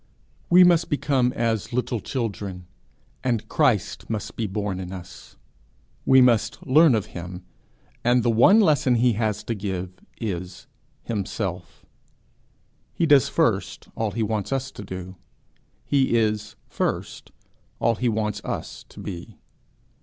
We must become as little children, and Christ must be born in us; we must learn of him, and the one lesson he has to give is himself: he does first all he wants us to do; he is first all he wants us to be.